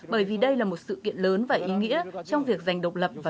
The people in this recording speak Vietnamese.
bởi vì đây là một sự kiện lớn và ý nghĩa trong việc giành độc lập và